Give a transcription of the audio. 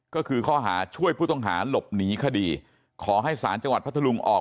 ก็คือข้อหาช่วยผู้ต้องหาหลบหนีคดีขอให้ศาลจังหวัดพัทธลุงออก